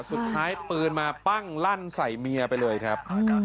สุดท้ายปืนมาปั้งลั่นใส่เมียไปเลยครับ